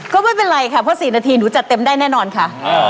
ก็ไม่เป็นไรค่ะเพราะ๔นาทีหนูจัดเต็มได้แน่นอนค่ะ